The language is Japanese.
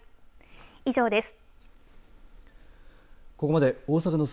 以上です。